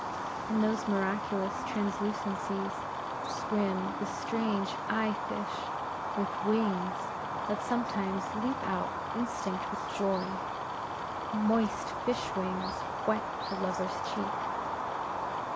In those miraculous translucencies swim the strange eye fish with wings, that sometimes leap out, instinct with joy; moist fish wings wet the lover's cheek.